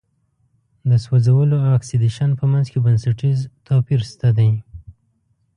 د سوځولو او اکسیدیشن په منځ کې بنسټیز توپیر شته دی.